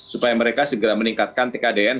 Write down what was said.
supaya mereka segera meningkatkan tkdn